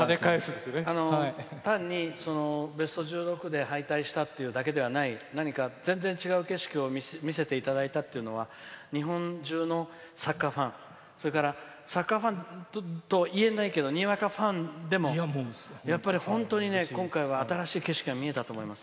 単に、ベスト１６で敗退したっていうだけではない何か、全然、違う景色を見せていただいたというのは日本中のサッカーファンそれからサッカーファンといえないけどにわかファンもやっぱり本当に新しい景色が見えたと思います。